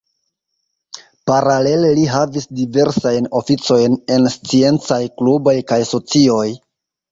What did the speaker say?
Paralele li havis diversajn oficojn en sciencaj kluboj kaj socioj.